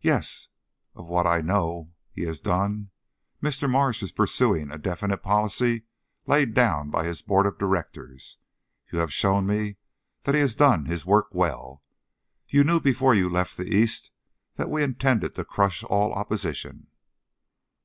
"Yes, of what I know he has done. Mr. Marsh is pursuing a definite policy laid down by his board of directors. You have shown me that he has done his work well. You knew before you left the East that we intended to crush all opposition."